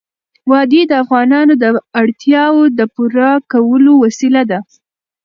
وادي د افغانانو د اړتیاوو د پوره کولو وسیله ده.